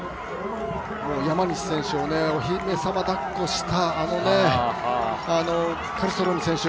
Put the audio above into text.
もう山西選手をお姫様だっこした、あのカルストローム選手。